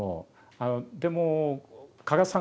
あのでも加賀さん